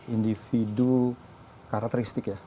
individu karakteristik ya